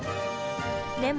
でも。